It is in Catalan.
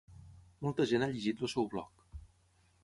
Molta gent ha llegit el seu bloc.